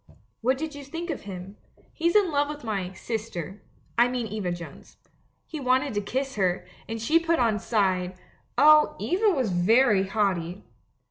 'What did you think of him? He's in love with my "sister" — I mean Eva Jones. He wanted to kiss her, and she put on side — oh, Eva was very haughty!